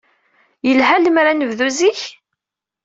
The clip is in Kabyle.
Yelha lemmer ad nebdu zik?